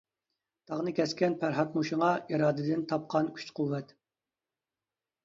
تاغنى كەسكەن پەرھاتمۇ شۇڭا، ئىرادىدىن تاپقان كۈچ-قۇۋۋەت.